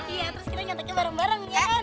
iya terus kita nyantakin bareng bareng ya kan